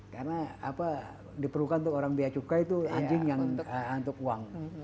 karena diperlukan untuk orang biaya cukai itu anjing yang untuk uang